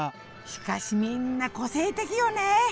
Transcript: しかしみんな個性的よね